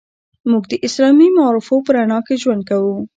موږ د اسلامي معارفو په رڼا کې ژوند کوو.